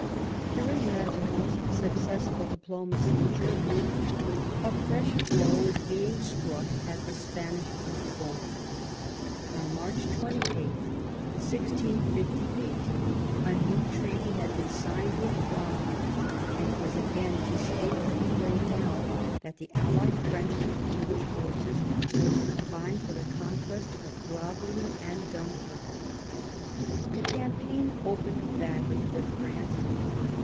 During Mazarin's successful diplomacy in Germany, a fresh blow was being struck at the Spanish Bourbons. On March 28, 1658, a new treaty had been signed with Cromwell, and it was again distinctly laid down that the allied French and English forces were to combine for the conquest of Gravelines and Dunkirk. The campaign opened badly for France.